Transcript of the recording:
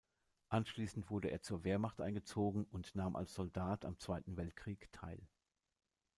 Anschließend wurde er zur Wehrmacht eingezogen und nahm als Soldat am Zweiten Weltkrieg teil.